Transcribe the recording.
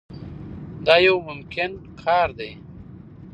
دا یو ممکن کار دی.